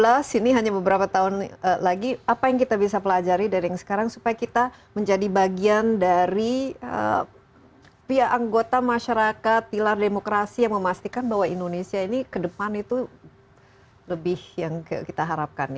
ini hanya beberapa tahun lagi apa yang kita bisa pelajari dari yang sekarang supaya kita menjadi bagian dari pihak anggota masyarakat pilar demokrasi yang memastikan bahwa indonesia ini ke depan itu lebih yang kita harapkan